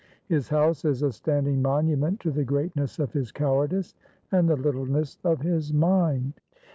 His house is a standing monument to the greatness of his cowardice and the littleness of his mind.